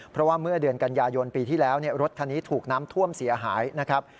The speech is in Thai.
เพราะว่าเมื่อเดือนกันยายนปีที่แล้วรถคันนี้ถูกน้ำท่วมเสียหายนะครับ